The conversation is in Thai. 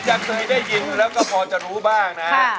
หน่อยได้ยินแล้วก็พอจะรู้บ้างนะครับ